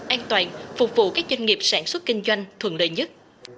an toàn phục vụ các doanh nghiệp sản xuất kinh doanh thuận lợi nhất